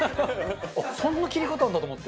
そんな切り方あるんだと思って。